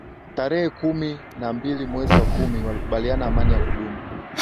Tarehe kumi na mbili mwezi wa kumi walikubaliana amani ya kudumu